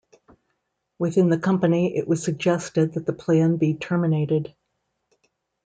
Within the company, it was suggested that the plan be terminated.